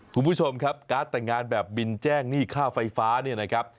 คุณผู้ชมครับการ์ดแต่งงานแบบบินแจ้งหนี้ค่าไฟฟ้า